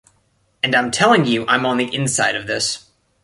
And I'm telling you I'm on the inside of this.